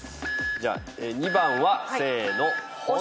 じゃあ２番はせーの。